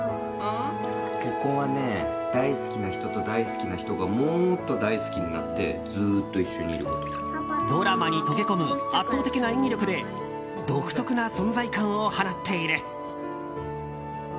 結婚はね大好きな人と大好きな人がもっと大好きになってドラマに溶け込む圧倒的な演技力で独特な存在感を放っている。